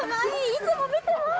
いつも見てます。